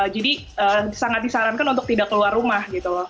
jadi sangat disarankan untuk tidak keluar rumah